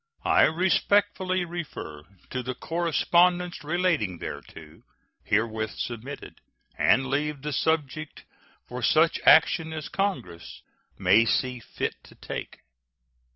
I respectfully refer to the correspondence relating thereto, herewith submitted, and leave the subject for such action as Congress may see fit to take.